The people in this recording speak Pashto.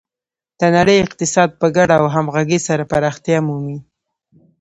د نړۍ اقتصاد په ګډه او همغږي سره پراختیا مومي.